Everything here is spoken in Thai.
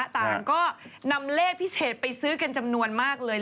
ต่างก็นำเลขพิเศษไปซื้อกันจำนวนมากเลย